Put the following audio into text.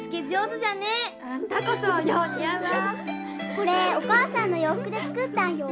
これお母さんの洋服で作ったんよ。